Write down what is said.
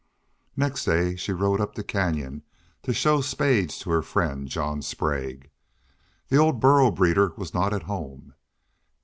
Next day she rode up the canyon to show Spades to her friend John Sprague. The old burro breeder was not at home.